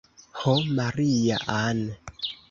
Ho Maria-Ann!